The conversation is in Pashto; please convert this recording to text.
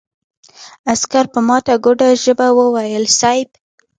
عسکر په ماته ګوډه ژبه وويل: صېب!